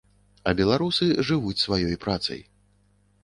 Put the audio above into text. А беларусы жывуць сваёй працай.